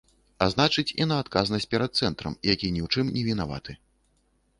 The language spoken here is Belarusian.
А значыць, і на адказнасць перад цэнтрам, які ні ў чым не вінаваты.